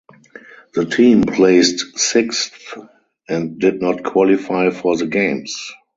The team placed sixth and did not qualify for the Games.